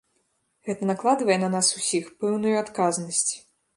Гэта накладвае на нас усіх пэўную адказнасць.